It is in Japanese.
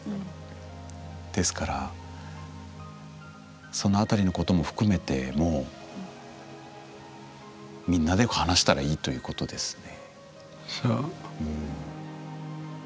ですからその辺りのことも含めてもうみんなで話したらいいということですね。